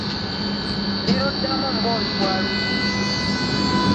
Liruddamu ng'oli bw'aluyimbye.